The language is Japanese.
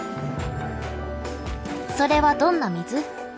それはどんな水？